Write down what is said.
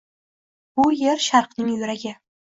Bu yer Sharqning yuragi.